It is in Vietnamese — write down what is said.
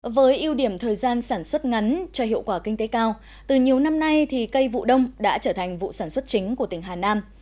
với ưu điểm thời gian sản xuất ngắn cho hiệu quả kinh tế cao từ nhiều năm nay thì cây vụ đông đã trở thành vụ sản xuất chính của tỉnh hà nam